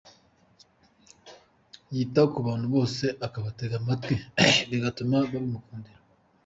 Yita ku bantu bose akabatega amatwi, bigatuma babimukundira.